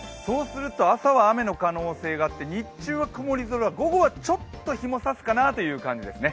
朝は雨の可能性があって、日中は曇り空、午後はちょっと日も差すかなという感じですね。